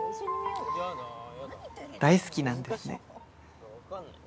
大好きなんですね。